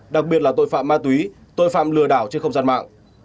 đặc biệt là tội phạm ma túy tội phạm lừa đảo trên không gian mạng